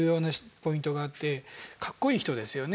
かっこいい人ですよね。